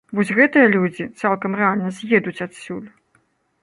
Вось гэтыя людзі, цалкам рэальна, з'едуць адсюль.